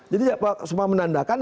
jadi semua menandakan